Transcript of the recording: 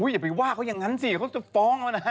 อย่าไปว่าเขาอย่างนั้นสิเขาจะฟ้องเขานะฮะ